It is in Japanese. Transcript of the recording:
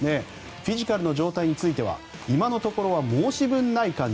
フィジカルの状態については今のところは申し分ない感じ